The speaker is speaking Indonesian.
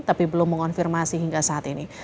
tapi belum mengonfirmasi hingga saat ini